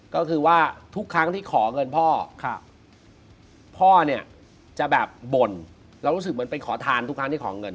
ก็คือว่าทุกครั้งที่ขอเงินพ่อพ่อเนี่ยจะแบบบ่นแล้วรู้สึกเหมือนไปขอทานทุกครั้งที่ขอเงิน